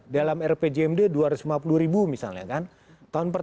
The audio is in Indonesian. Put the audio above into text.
dalam rpjmd dua ratus lima puluh ribu misalnya kan